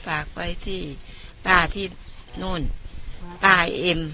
ฝากไว้ที่ป้าที่นู่นป้าไอเอ็ม